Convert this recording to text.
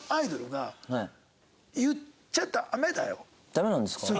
ダメなんですか？